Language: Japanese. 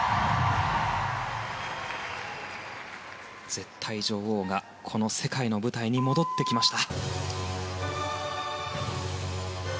絶対女王が、この世界の舞台に戻ってきました。